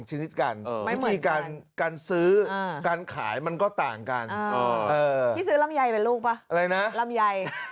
เห็นนะเดี๋ยวได้ต่อยกันแหละ